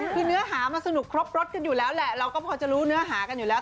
คือเนื้อหามันสนุกครบรสกันอยู่แล้วแหละเราก็พอจะรู้เนื้อหากันอยู่แล้ว